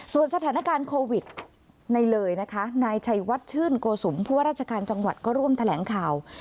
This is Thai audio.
ส่วนสถานการณ์โควิดในเลยนะคะนายชัยวัดชื่นโกสุมผู้ว่าราชการจังหวัดก็ร่วมแถลงข่าว